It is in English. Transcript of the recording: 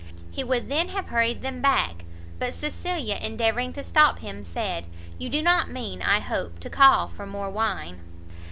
He would then have hurried them back; but Cecilia, endeavouring to stop him, said "You do not mean, I hope, to call for more wine?"